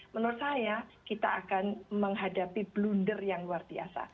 menurut saya kita akan menghadapi blunder yang luar biasa